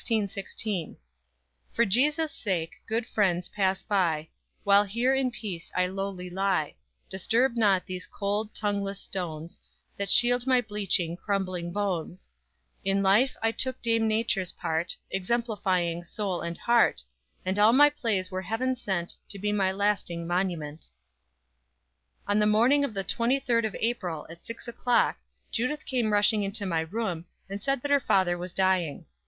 _ _For Jesus' sake, good friends, pass by, While here in peace I lowly lie; Disturb not these cold, tongueless stones That shield my bleaching, crumbling bones, In life I took Dame Nature's part Exemplifying soul and heart, And all my plays were heaven sent To be my lasting monument!_ On the morning of the 23d of April, at six o'clock, Judith came rushing into my room, and said that her father was dying.